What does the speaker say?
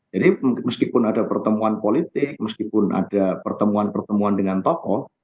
jadi meskipun ada pertemuan politik meskipun ada pertemuan pertemuan dengan tokoh